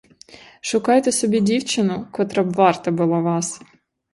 Шукайте собі дівчину, котра б варт була вас.